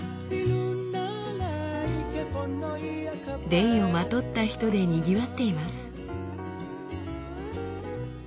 レイをまとった人でにぎわっています。